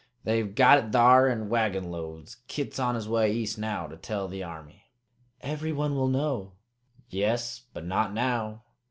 They've got it thar in wagonloads. Kit's on his way east now to tell the Army!" "Everyone will know!" "Yes, but not now!